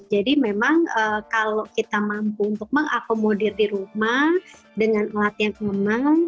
jadi memang kalau kita mampu untuk mengakomodir di rumah dengan alat yang keemang